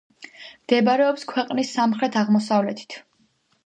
მდებარეობს ქვეყნის სამხრეთ-აღმოსავლეთით.